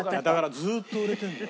ずーっと売れてるんだ。